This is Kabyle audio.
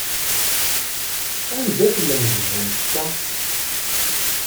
Anda tlemdeḍ annect-a?